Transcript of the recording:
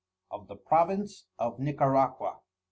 Of the Province of NICARAQUA.